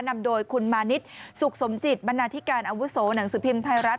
นำโดยคุณมานิดสุขสมจิตบรรณาธิการอาวุโสหนังสือพิมพ์ไทยรัฐ